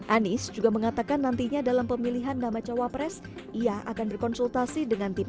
anies juga mengatakan nantinya dalam pemilihan nama cawapres ia akan berkonsultasi dengan tim